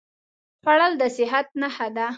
خوړل د صحت نښه ده